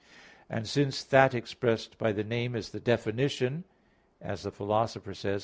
And since that expressed by the name is the definition, as the Philosopher says (Metaph.